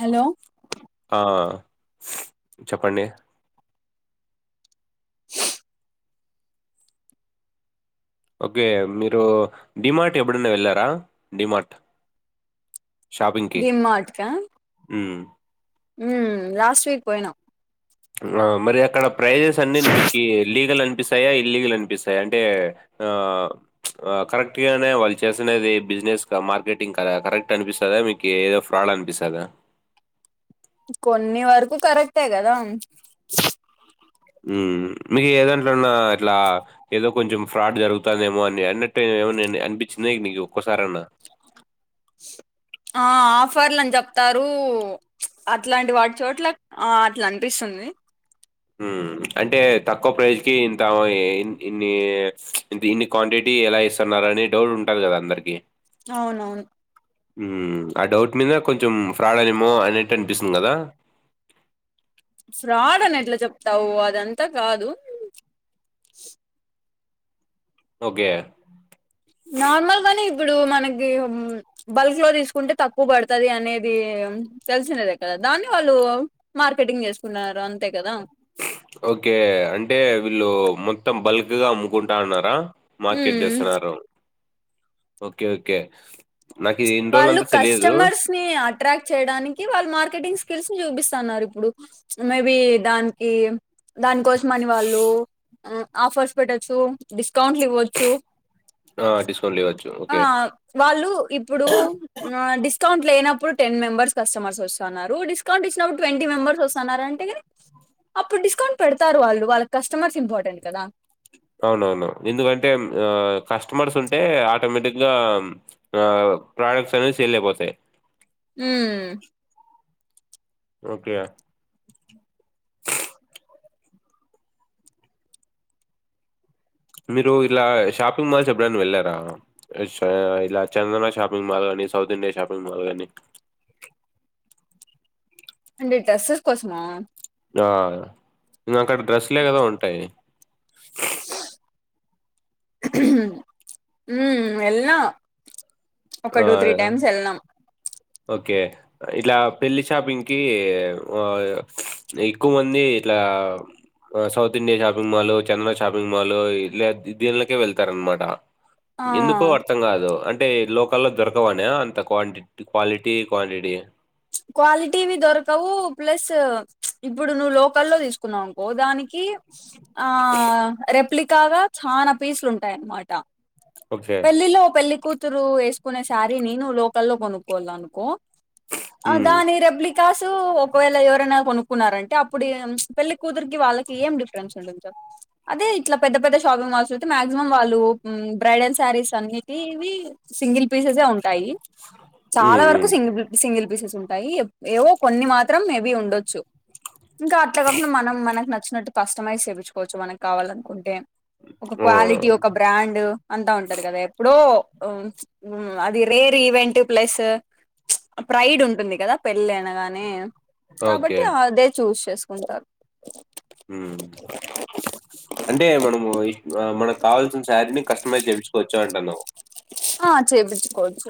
Hello ఆ చెప్పండి okay మీరు డిమార్ట్ ఎప్పుడైన వెళ్ళారా డిమార్ట్ డిమ్ మార్ట్ క హ్మ్. ఉం లాస్ట్ వీక్ పోయినాం ఆ మరి అక్కడ ప్రైజెస్ అన్ని మీ లీగల్ అని నిపిస్తాయా ఇల్లీగల్ అనిపిస్తాయి అంటే కరెక్ట్ గానే వాళ్ళు చేసినది బిజినెస్ మార్కెటింగ్ కద కరెక్ట్ అనిపిస్తుందా మీకు ఏదో ఫ్రాడ్ అనిపిస్తుందా కొన్ని వరకు కరెక్టే కదా మీకు ఏదాంట్లోన్నా ఇట్లా ఏదో కొంచెం ఫ్రాడ్ జరుగుతుందేమో అని అన్నట్టు ఏమో అనిపించింది నీకు ఒక్కసార అన్నా ఆ ఆఫర్లు అని చెప్తారు అట్లాంటి వాటి చోట్ల ఆ అట్లా అనిపిస్తుంది అంటే తక్కువ ప్రైస్ ఇంత ఇన్ని ఇన్ని క్వాంటిటీ ఎలా ఇస్తున్నారు అనే డౌట్ ఉంటుంది కదా అందరికి అవునవును ఆ డౌట్ మీద కొంచెం ఫ్రాడ్ అనేమో అనేట్టు అనిపిస్తుంది కదా ఫ్రాడ్ అని ఎట్లా చెప్తావు అదంతా కాదు ఓకే నార్మల్ గానే ఇప్పుడు మనకి బల్క్ లో తీసుకుంటే తక్కువ పడుతుది అనేది తెలిసినదే కదా దాన్ని వాళ్ళు మార్కెటింగ్ చేసుకున్నారు అంతే కదా ఓకే అంటే వీళ్ళు మొత్తం బల్క్ దగగగా అమ్ముకుంటా ఉన్నారా మార్కెట్ మ్మ్ చేస్తున్నారు ఓకే ఓకే నాకు ఇది ఇన్ని వాళ్ళు రోజులంతా తెలీదు. కస్టమర్స్ ని అట్రాక్ట్ చేయడానికి వాళ్ళు మార్కెటింగ్ తెలిసి చూపిస్తున్నారు ఇప్పుడు మేబి దానికి దానికోసం అని వాళ్ళు ఆఫర్స్ పెట్టొచ్చు స్ కౌంట్లు ఇవ్వచ్చు ఆ! డిస్కౌంట్‌లు ఇవ్వచ్చు. ఆ ఓకే. వాళ్ళు ఇప్పుడూ ఆ డిస్ డిస్కౌంట్ లేనప్పుడు టెన్ మెంబర్స్ కస్టమర్స్ వస్తాన్నారు. డిస్కౌంట్ ఇచ్చినప్పుడు ట్వంటీ మెంబర్స్ వస్తాన్నారు అంటే గానీ. అప్పుడు డిస్కౌంట్ పెడతారు వాళ్ళు వాళ్ళక్ కస్టమర్స్ ఇంపార్టెంట్ కదా. అవునవును ఎందుకంటే ఆ కస్టమర్స్ ఉంటే ఆటోమేటిక్గా ఆ ప్రొడక్ట్స్ అనేవి సేల్ అయిపోతాయి. ఉమ్ ఓకే యా మీరు ఇలా షాపింగ్ మాల్స్ ఎప్పుడైన వెళ్ళారా. ఇలా చందన షాపింగ్ మాల్ గానీ, సౌత్ ఇండియా షాపింగ్ మాల్ గానీ. అంటే డ్రెస్సెస్ కోసమా ఆ ఇంగా అక్కడ డ్రెస్లే గదా ఉంటాయి. స ఊ ఎల్నా ఒక ఆ! టూ త్రీ టైమ్స్ ఎళ్నం. ఓకే. ఇట్లా పెళ్ళి షాపింగ్కీ, ఓయ ఎక్కువ మందీ ఇట్లా south India shopping mall, Chandana shopping mall ఇలా దీన్లకే వెళ్తార్ అన్మాటా. ఎందుకో ఆ, అర్థం గాదూ. అంట్ టే లోక్ కల్లో దొరకవనా అంత క్వాంటి క్వాలిటీ, క్వాంటిటీ. క్వాలిటీవి దొరకవూ ప్లస్సా, ప్చ్ ఇప్పుడు నువ్వు లోకల్లో తీసుకున్నావునుకో దానికీ ఆ రేప్ ప్లికాగా చానా పీసులుంటాయన్నమాట. ఓకే. పెళ్ళి లో పెళ్లి కూత్ తురూ ఏసుకునే శారీని నువ్ లోకల్ లో కొనుక్కోవాల అనుకో ఆ హ్మ్. దాని రెప్లిక్ కాసూ ఒకవేళ ఎవరైనా కొనుక్కున్నారంటే అప్పుడు ఈ ప్చ్ పెళ్ళి కూతురికి వాళ్ళకి ఏం డిఫరెన్స్ ఉంటుంది చెప్. అదే ఇట్లా పెద్ద పెద్ద షాపింగ్ మాల్స్ అయితే మాక్సిమం వాళ్ళూ ఉం బ్రైడల్స్ శారీస్ అన్నీటీవి సింగిల్ పీసెసే ఉంటాయి. చాలా హ్మ్. వరకూ హ్మ్. సింగిల్ సింగిల్ పీసెస్ ఉంటాయి. ఏవో కొన్ని మాత్రం మేబి ఉండొచ్చు. ఇంకా అట్ల కాకుండా మనం మనక్ నచ్ నట్టు కస్టమైజ్ చేపిచ్చుకోవచ్చు మనక్ కావాలనుకుంటే. ఒక ఆ! క్వాలిటీ, ఒక బ్రాండ్ అంతా ఉం ఉంటరు గదా ఎప్పుడో ఆ ప్చ్ ఊ అది రేర్ ఈవెంట్. ప్లస్సా ప్చ్ ప్రైడ్ ఉంటుంది గదా పెళ్ళి అనగానే. కాబట్టి అదే చూస్ చేసుకుంటారు. ఊ అంటే మనమూ ఇ ఆ మనకు కావాల్సిన శారీని కష్ట్ మైజ్ చెపిచ్చుకోవచ్చు అంటున్నావ్. ఆ చేపిచ్చుకోవచ్చు.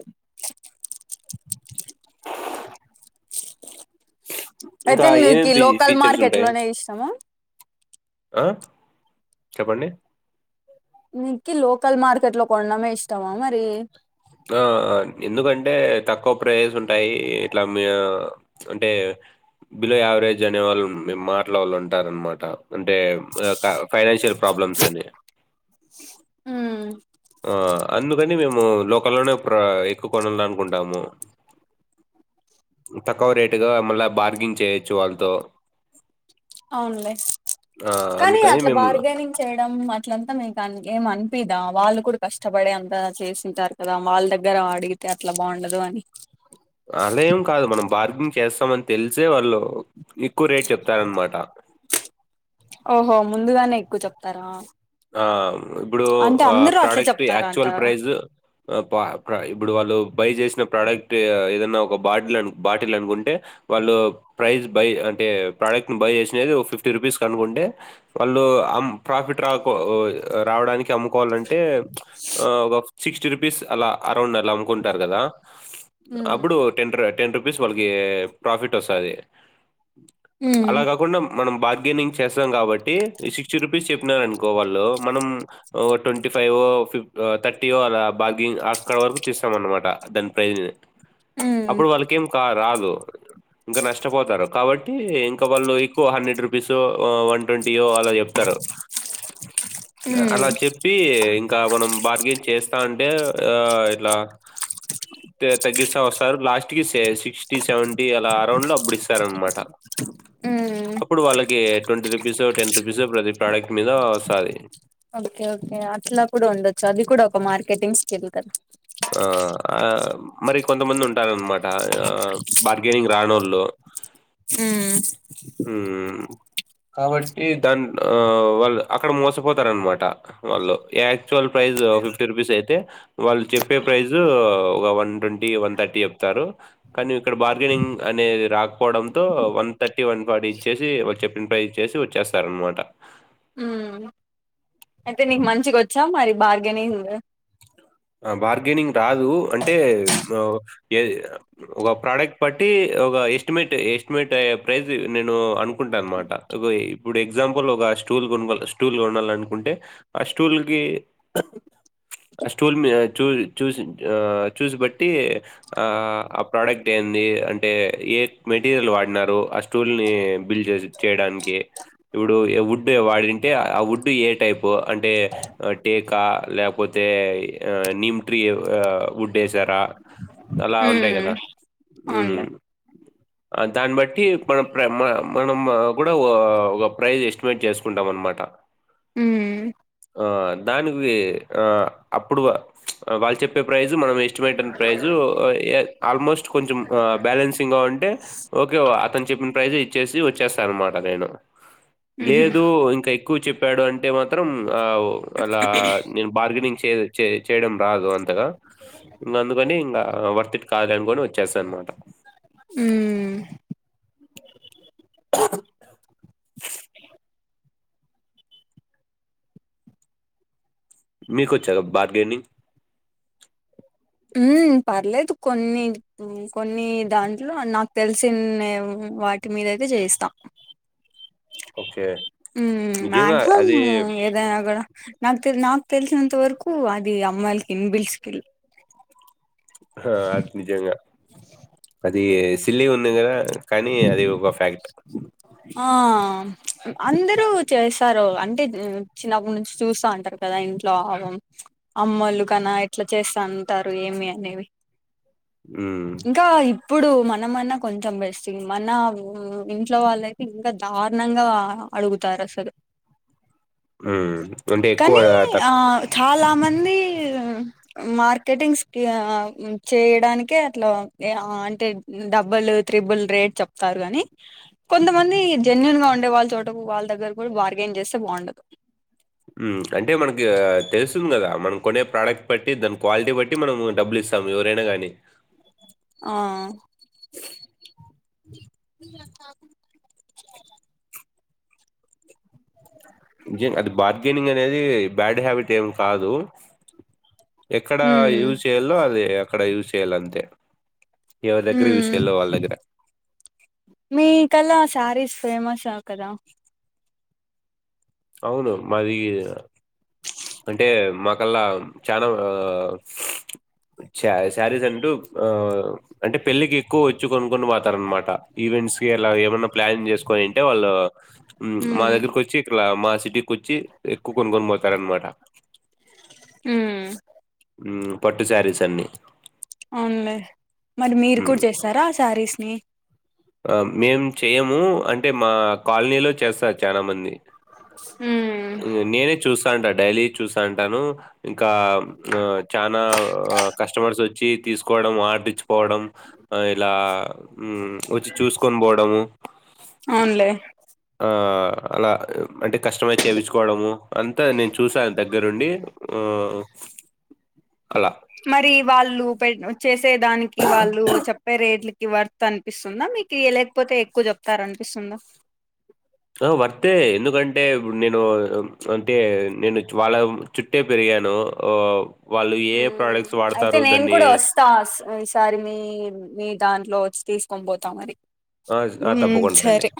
ఇంకా అయితే ఏమేమి నీకు ఫీ లోకల్ ఫీచర్స్ మార్కెట్ ఉంటాయి? లోనే ఇష్టము ఆ చెప్పండి నీకి లోకల్ మార్కెట్ లో కొనడమే ఇష్టమా మరి ఆ ఆ ఎందుకంటే తక్కువ ప్రైస్ ఉంటాయి ఇట్లా అంటే బిలో యావరేజ్ అనే వాళ్ళు మే మాటలు వాళ్ళు ఉంటారనమాట అంటే ఫైనాన్షియల్ ప్రాబ్లమ్స్ అని ఉమ్ ఆ అందుకని మేము లోకల్లోనే ఎక్కువ కొనాల అనుకుంటాము తక్కువ రేటుగా మళ్ళా బార్గిన్ చేయొచ్చు వాళ్ళతో అవునులే ఆ! కానీ అందుకని అట్లా మేము బార్గెనింగ్ చేయడం అట్లంతా మీకు అని ఏంని చెదా వాళ్ళు కూడా కష్టపడే అంతా చేసింటారు కదా వాళ్ళ దగ్గర అడిగితే అట్లా బాగుండదు అని అలా ఏం కాదు మనం బార్గింగ్ చేస్తామని తెలిసే వాళ్ళు ఎక్కువ రేట్ చెప్తారన్నమాట తర ఆ ఇప్పుడు ఆ అట్లే ప్రోడక్ట్ చెప్తారా ఆక్చువల్ అంటారా ప్రైజ్ ఇప్పుడు వాళ్ళు బై చేసిన ప్రోడక్ట్ ఏదనా బాటిల్ అను బాటిల్ అనుకుంటే వాళ్ళు ప్రైస్ బై అంటే ప్రడక్ట్ బై చేసి ఫిఫ్టీ రూపీస్ కి అనుకుంటే వాళ్ళు ప్రాఫిట్ రావడానికి అము కోవాలంటే ఆ ఒక సిక్స్టీ రూపీస్ అలా అనుకుంటారు కదా ఉమ్ అప్పుడు టెన్ టెన్ రూపీస్ వాళ్ళకి ప్రాఫిట్ వస్తది ఉమ్ అలా కాకుండా మనం బార్గెనింగ్ చేస్తాం కాబట్టి సిక్స్టీ రూపీస్ చెప్పినారను వాళ్ళు మనం ట్వంటీ ఫైవ్ ఫి థర్టీో అలా బాగంగ్ అక్కడ వరకు తేస్తాం అనమాట దాని ప్రైజ్ ఉమ్ అప్పుడు వాళ్ళకేం కా రా ఇంకా నష్టపోతారు కాబట్టి ఇంకా వాళ్ళు ఎక్కువ హండ్రెడ్ రూపీస్ వన్ ట్వంటీయో అలా చెప్తారు అలా ఉమ్ చెప్పి ఇంకా మనం బార్గెన్ చేస్తా అంటే ఆ ఇట్లా త తగ్గిస్థే వస్తారు లాస్ట్ కి సి సిక్స్టీ సెవెంటీ అలా అరౌండ్ లో అప్పుడు ఇస్తారు అనమాట ఉమ్ అప్పుడు వాళ్ళకి twenty rupees ten rupees product మీద వస్తది ఓకే ఓకే చెల్క ఆ ఆ మరి కొంతమంది ఉంటారన్నమాట బార్గెనింగ్ రానోళ్ళు ఉమ్ ఉమ్ కాబట్టి దా ఆ వాళ్ళు అక్కడ మోసపోతారు అనమాట వాళ్ళు యాక్చువల్ ప్రైస్్ ఫిఫ్టీ రూపీస్ అయితే వాళ్ళు చెప్పే ప్రైస్ ఒక వన్ ట్వంటీ వన్ థర్టీ చెప్తారు కానీ ఇక్కడ బార్గెనింగ్ అనేది రాకపోవడంతో one thirty forty one forty ఇచ్చేసి వాళ్ళు చెప్పన్ ప్రైజ్ ఇచ్చసి వచ్చేస్తారు అనమాట ఉమ్ అయితే నీకు మంచిగా వచ్చా మరి బార్గెనింగ్ బార్గెనింగ్ రాదు అంటే ఒక ప్రోడక్ట్ బట్టి ఒక ఎస్టిమేట్ ఎస్టిమేట్ ప్రైస్ నేను అనుకుంటాను అనమాట ఇప్పుడు ఎగ్జాంపుల్ ఒక స్టూల్ కొనాల స్టూల్ కొనాల అనుకుంటే ఆ స్టూల్కి స్టూల్ చూ చూసి ఆహ్ చూసి బట్టి ఆ ప్రోడక్ట్ ఏంది, అంటే ఏ మెటీరియల్ వాడినారు ఆ స్టూల్ని బిల్డ్ చేసి చేయడానికి, ఇప్పుడు వుడ్డు వాడింటే ఆ వుడ్డు ఏ టైపు అంటే టేకా, లేకపోతే ఆహ్ నిమ్ట్రీ ఆహ్ ఉడ్డేసారా అలా ఉంటాయి కదా ఉమ్ అవునులే ఉహ్ దాన్ని బట్టి మనం ప్రై మన మనం కూడా ఓ ఒక ప్రైజ్ ఎస్టిమేట్ చేసుకుంటాం అనమాట ఉమ్ ఆహ్ దానికి ఆ అప్పుడు వాళ్ళు చెప్పే ప్రైజు మనం ఎస్టిమేటన్ ప్రైజు ఆహ్ ఎ ఆల్మోస్ట్ కొంచెం బ్యాలెన్సింగ్గా ఉంటే ఓకే అతను చెప్పిన ప్రైజ్ ఇచ్చేసి వచ్చేస్తా అనమాట నేను ఉహు లేదు ఇంకా ఎక్కువ చెప్పాడు అంటే మాత్రం ఆ ఉహ్ అలా నేను బార్గెనింగ్ చేయలెన్ చే చేయడం రాదు అంతగా ఇంక అందుకని ఇంకా వర్తిట్ కాదులే అనుకోని వచ్చేసా అనమాట ఉమ్ మీకు వచ్చా బార్గెనింగ్ ఉహ్ పర్లేదు కొన్ని కొన్ని దాంట్లో నాకు తెలిసిన వాటి మీదయితే చేయిస్తా ఓకే. నిజంగా మాక్సిమమ్ అది ఏదైనా కూడా నాక్ నా తెలిసినంత వరకు అది అమ్మాయిలకి ఇన్బిల్ స్కిల్ ఆ అది నిజంగా అది సిల్లి గా ఉన్నంగ ఆహ్ అందరూ చేస్తారు అంటే చిన్నప్పటి నుంచి చూస్తా ఉంటారు కదా ఇంట్లో అమ్మలు కన ఇట్లా చేస్తా అంటారు ఏమి అనేవి ఉహ్ ఇంకా ఇప్పుడు మనంమన్నా కొంచెం బెస్ మన ఉహ్ ఇంట్లో వాళ్ళయితే ఇంకా దారుణంగా అడుగుతారు అసలు హ్మ్. అంటే ఎక్కువ కానీ ఆ తక్కు చాలా మంది మార్కెటింగ్స్ కి చేయడానికె అట్లా ఆహ్ అంటే డబ్బుల్ త్రిబుల్ రేట్ చెప్తారు కానీ కొంతమంది జెన్యూన్ గా ఉండే వాళ్ళ చోట వాళ్ళ దగ్గర కూడా బార్గెన్ చేస్తే బాగుండదు. ఉహ్ అంటే మనకి తెలుస్తుంది కదా మన కొనే ప్రోడక్ట్ బట్టి దాని క్వాలిటీ బట్టి మనం డబ్బులు ఇస్తాము ఎవరైనా గానీ ఆహ్ [unintelligible] నిజం అది బార్గెనింగ్ అనేది బ్యాడ్ హ్యాబిట్ ఏం కాదు ఎక్కడ ఉమ్ యూజ్ చేయాలో అది అక్కడ యూజ్ చేయ్యాల అంతే ఆహ్ దగ్గర. మీ కల్లా సారీస్ ఫేమషా అక్కడ అవును మాది అంటే మాకల్లా చాలా ఆ సారి శారీస్ అంటూ ఆ అంటే పెళ్ళికి ఎక్కువ వచ్చి కొనుకుని పోతారు అనమాట ఈవెంట్స్ కి ఇలా ఏమన్నా ప్లాన్ చేసుకొనింటే వాళ్ళు మా ఉమ్ దగ్గరకు వచ్చి ఇట్లా మా సిటీకి వచ్చి ఎక్కువ కొనుక్కొని పోతారు అనమాట ఆహ్ ఉహ్ పట్టు శారీస్ అన్ని అవులే మరి మీరు ఉమ్. కూడా చేస్తారా ఆ శారీస్ ని ఆ మేము చేయము అంటే మా కాలనీలో చేస్తారు చాలా మంది ఉమ్ తను ఇంకా చనా కస్టమర్స్ వచ్చి తీసుకోవడం వా పోడం ఇలా వచ్చి చూసుకోని పోవడం అవునులే ఆ అలా అంటే కష్టమై్ చేయించుకోవడము అంతా నేను చూసాను దగ్గరుండి అలా మరి వాళ్ళు పె చే వచ్చే దానికి వాళ్ళు చెప్పే రేట్ల వర్త్ అనిపిస్తుందా మీకు ఇ లేకపోతే ఎక్కువ చెప్తారు అనిపిస్తుందా ఆ వర్తే ఎందుకంటే నేను అంటే నేను వాళ్ళ చుట్టే పెరిగాను వాళ్ళు ఏ ప్రొడక్ట్స్ అయితే వాడతారు నేను దాన్ని కూడా వస్తా ఈసారి మీ మీ దాంట్లో వచ్చి తీసుకొని పోతామరి ఆ! ఉ ఆ! తప్పకుండా అండి. సరే